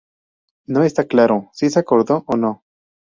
No está claro si se acordó o no.